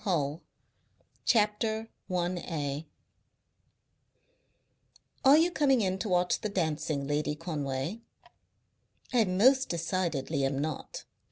HULL 1921 CHAPTER I "Are you coming in to watch the dancing, Lady Conway?" "I most decidedly am not.